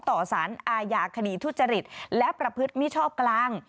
ต่อสารอาญาคดีทุจริตและประพฤติมิชอบกลาง